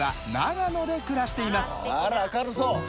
あら明るそう！